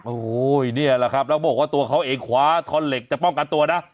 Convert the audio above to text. โอ้โหนี่แหละครับแล้วบอกว่าตัวเขาเองคว้าท่อนเหล็กจะป้องกันตัวนะ